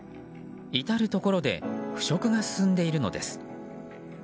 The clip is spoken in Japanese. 至るところで腐食が進んでいるのです。